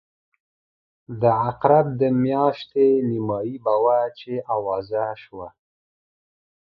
د عقرب د میاشتې نیمایي به وه چې آوازه شوه.